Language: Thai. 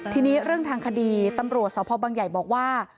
ทีนี้เรื่องทางคดีตำรวจสพบังใหญ่บอกว่า